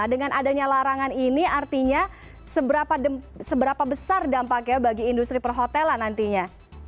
dengan adanya larangan ini artinya seberapa besar dampaknya bagi industri perhotelan nantinya